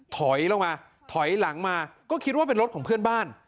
ถอยลงมาถอยหลังมาก็คิดว่าเป็นรถของเพื่อนบ้าน